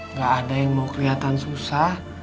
nggak ada yang mau kelihatan susah